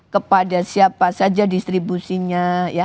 kepada siapa saja distribusinya